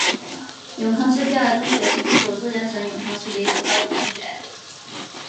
永康市第二中学是中国浙江省永康市的一所高级中学。